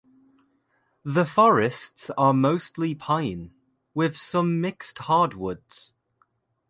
The forests are mostly pine, with some mixed hardwoods.